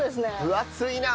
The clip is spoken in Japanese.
分厚いな。